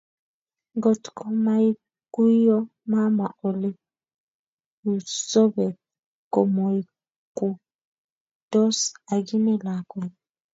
Ngotko maikuiyo mama Ole u sobet, komoikuitos akine lakwet